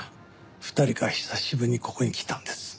２人が久しぶりにここに来たんです。